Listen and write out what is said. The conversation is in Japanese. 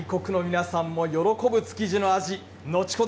外国の皆さんも喜ぶ築地の味、後ほど